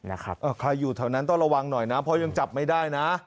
ใครอยู่แถวนั้นต้องระวังหน่อยนะเพราะยังจับไม่ได้นะ